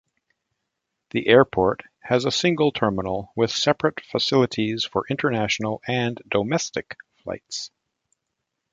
The airport has a single terminal with separate facilities for international and domestic flights.